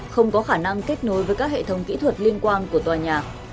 không có khả năng kết nối với các hệ thống kỹ thuật liên quan của tòa nhà